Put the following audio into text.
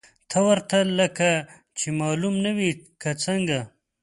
ته ورته لکه چې معلوم نه وې، که څنګه!؟